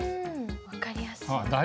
分かりやすい。